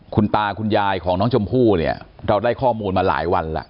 คุณตาคุณยายของน้องชมพู่เนี่ยเราได้ข้อมูลมาหลายวันแล้ว